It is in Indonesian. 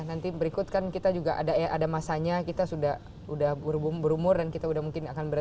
nanti berikut kan kita juga ada masanya kita sudah berumur dan kita udah mungkin akan berada